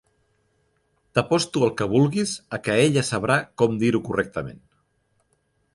T'aposto el que vulguis a que ella sabrà com dir-ho correctament.